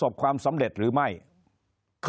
คนในวงการสื่อ๓๐องค์กร